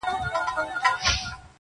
چي مُلا دي راته لولي زه سلګی درته وهمه٫